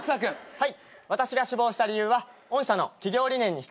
はい。